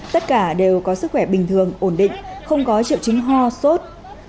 tất cả đều có sức khỏe bình thường ổn định không có triệu chứng ho sốt